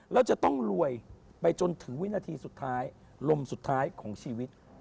แล้วจะต้องรวยไปจนถึงวินาทีสุดท้ายลมสุดท้ายของชีวิต